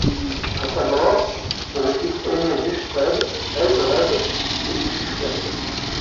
À sa mort, c'est le fils aîné d'Uchtred, Ealdred, qui lui succède.